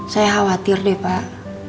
saya khawatir deh pak